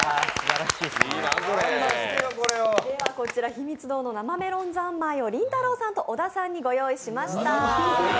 ひみつ堂の生メロン三昧を小田さんとりんたろーさんにご用意しました。